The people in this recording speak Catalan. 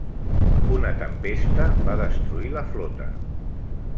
Una tempesta va destruir la flota.